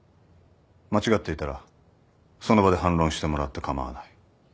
間違っていたらその場で反論してもらって構わない。